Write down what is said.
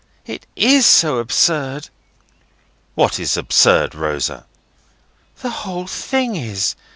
It is so absurd." "What is absurd, Rosa?" "The whole thing is.